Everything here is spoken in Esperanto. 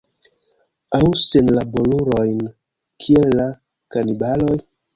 Aŭ senlaborulojn, kiel la kanibaloj?